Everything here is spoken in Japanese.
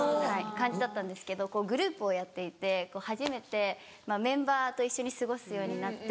感じだったんですけどグループをやっていて初めてメンバーと一緒に過ごすようになって。